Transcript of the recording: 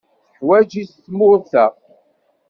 Tuḥwaǧ-it tmurt-a.